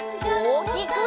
おおきく！